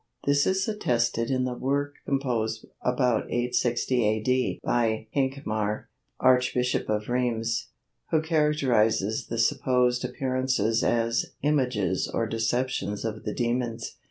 This is attested in a work composed about 860 A.D. by Hincmar, Archbishop of Rheims, who characterizes the supposed appearances as "images or deceptions of the demons."